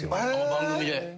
番組で。